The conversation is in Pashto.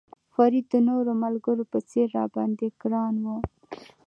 فرید د نورو ملګرو په څېر را باندې ګران و.